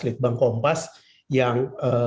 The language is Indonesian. litbang kompas yang